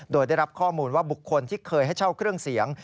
โดยได้รับข้อมูลว่าบุคคลที่เคยให้เช่าเครื่องเสียง